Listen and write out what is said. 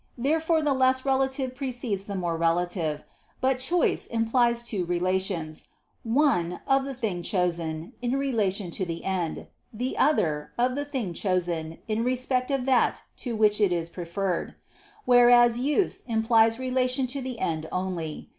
Therefore the less relative precedes the more relative. But choice implies two relations: one, of the thing chosen, in relation to the end; the other, of the thing chosen, in respect of that to which it is preferred; whereas use implies relation to the end only.